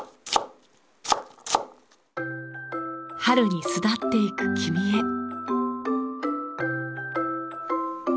春に巣立っていく君へ。